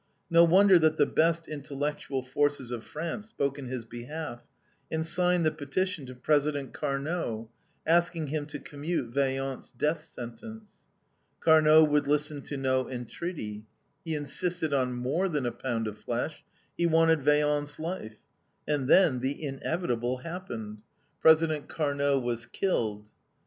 No wonder that the best intellectual forces of France spoke in his behalf, and signed the petition to President Carnot, asking him to commute Vaillant's death sentence. Carnot would listen to no entreaty; he insisted on more than a pound of flesh, he wanted Vaillant's life, and then the inevitable happened: President Carnot was killed.